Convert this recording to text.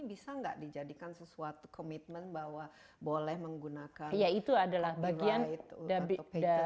bisa tidak dijadikan komitmen bahwa mereka boleh menggunakan copyright atau patent